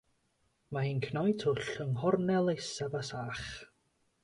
Mae hi'n cnoi twll yng nghornel isaf y sach.